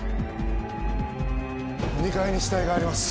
２階に死体があります